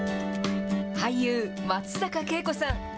俳優、松坂慶子さん。